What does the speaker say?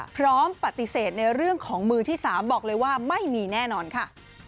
พร้อมปฏิเสธในเรื่องของมือที่๓บอกเลยว่าไม่มีแน่นอนค่ะ